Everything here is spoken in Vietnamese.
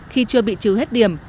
khi chưa bị trừ hết điểm